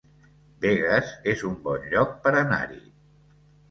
Begues es un bon lloc per anar-hi